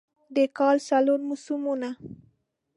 د کال څلور موسمونه